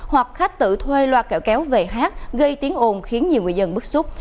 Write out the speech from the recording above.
hoặc khách tự thuê loa kẹo kéo về hát gây tiếng ồn khiến nhiều người dân bức xúc